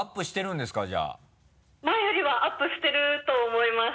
前よりはアップしてると思います。